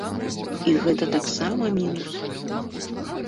І гэта таксама мінус.